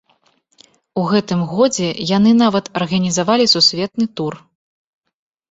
У гэтым годзе яны нават арганізавалі сусветны тур.